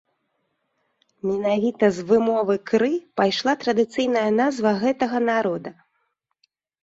Менавіта з вымовы кры пайшла традыцыйная назва гэтага народа.